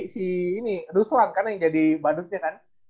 si ini ruslan kan yang jadi badutnya kan